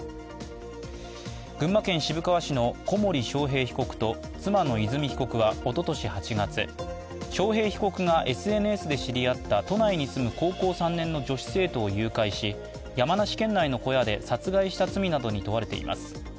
群馬県渋川市の小森章平被告と妻の和美被告は一昨年８月、章平被告がＳＮＳで知り合った都内に住む高校３年生の女子高校生を誘拐し山梨県内の小屋で殺害した罪などに問われています。